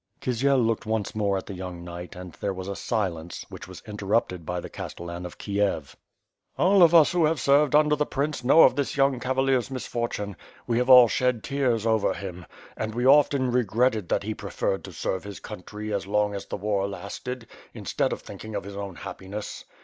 Kisiel looked once more at the young knight and there was a silence, which was interrupted by the castellan of Kiev. cQo WITH FIRE AND SWORD. "All of us who have served under the prince know of this young cavalier's misfortune; we have all shed tears over him, and we often regretted that he preferred to serve his country as long as the war lasted, instead of thinking of his own hap piness.